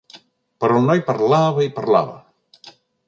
Però el noi parlava i parlava.